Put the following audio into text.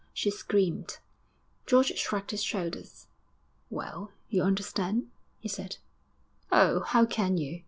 she screamed. George shrugged his shoulders. 'Well, you understand?' he said. 'Oh, how can you!